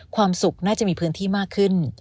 ความสุขน่าจะมีพื้นที่มากขึ้น